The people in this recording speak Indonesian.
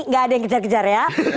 nggak ada yang kejar kejar ya